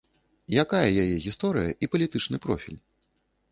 Якая яе гісторыя і палітычны профіль?